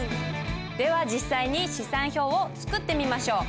では実際に試算表を作ってみましょう。